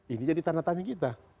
ini jadi tanda tanya kita